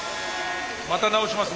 また「直します」